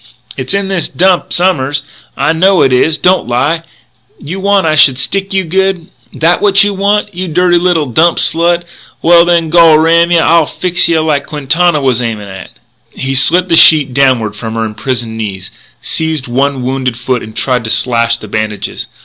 It's in this Dump som'ers. I know it is don't lie! You want that I should stick you good? That what you want you dirty little dump slut? Well, then, gol ram yeh I'll fix yeh like Quintana was aimin' at " He slit the sheet downward from her imprisoned knees, seized one wounded foot and tried to slash the bandages.